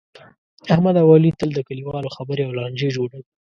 احمد اوعلي تل د کلیوالو خبرې او لانجې جوړوي.